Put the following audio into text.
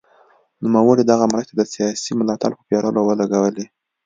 نوموړي دغه مرستې د سیاسي ملاتړ په پېرلو ولګولې.